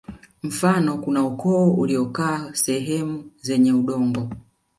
Mfano kuna ukoo uliokaa sehemu zenye udongo